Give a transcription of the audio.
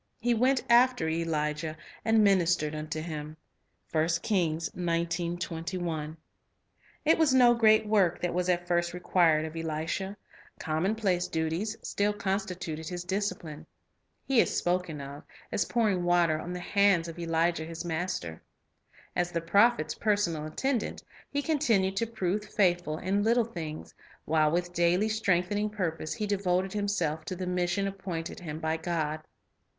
He "went after Elijah, and ministered unto him." 1 It was no great work that was at first required of Elisha ; commonplace duties 1 1 Kings 19 : 21. Lives of Great Meu 59 still constituted his discipline. He is spoken of as pour ing water on the hands of Elijah, his master. As the prophet's personal attendant, he continued to prove faithful in little things, while with daily strengthening purpose he devoted himself to the mission appointed him by God.